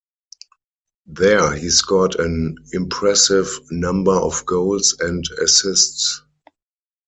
There he scored an impressive number of goals and assists.